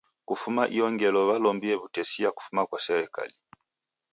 Kufuma iyo ngelo walombie w'utesia kufuma kwa serikali.